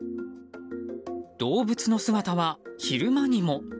動物の姿は、昼間にも。